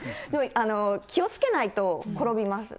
気をつけないと転びます。